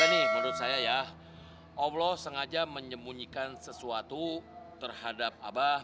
nah mungkin juga menurut saya ya allah sengaja menyembunyikan sesuatu terhadap abah